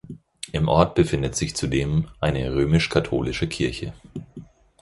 Im Ort befindet sich zudem eine römisch-katholische Kirche.